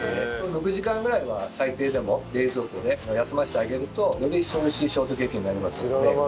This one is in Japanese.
６時間ぐらいは最低でも冷蔵庫で休ませてあげるとより一層美味しいショートケーキになりますので。